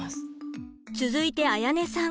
続いてあやねさん。